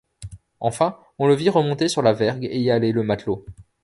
Enfin on le vit remonter sur la vergue et y haler le matelot.